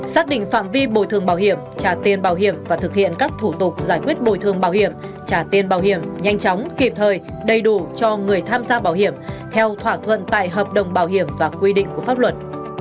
xác định phạm vi bồi thường bảo hiểm trả tiền bảo hiểm và thực hiện các thủ tục giải quyết bồi thường bảo hiểm trả tiền bảo hiểm nhanh chóng kịp thời đầy đủ cho người tham gia bảo hiểm theo thỏa thuận tại hợp đồng bảo hiểm và quy định của pháp luật